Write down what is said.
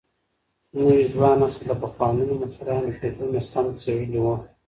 نوي ځوان نسل د پخوانيو مشرانو فکرونه سم څېړلي وو.